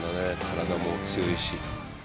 体も強いし。